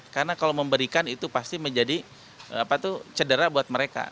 karena kalau memberikan itu pasti menjadi cedera buat mereka